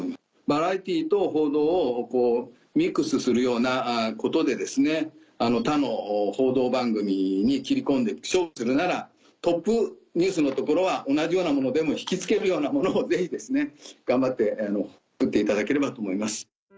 バラエティーと報道をミックスするようなことで他の報道番組に切り込んで勝負するならトップニュースのところは同じようなものでも引き付けるようなものをぜひ頑張って作っていただければと思います。